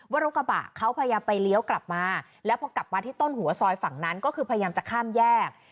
รถกระบะเขาพยายามไปเลี้ยวกลับมาแล้วพอกลับมาที่ต้นหัวซอยฝั่งนั้นก็คือพยายามจะข้ามแยก